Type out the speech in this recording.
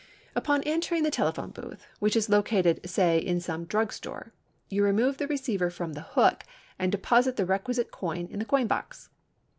Upon entering the telephone booth, which is located, say, in some drug store, you remove the receiver from the hook and deposit the requisite coin in the coin box.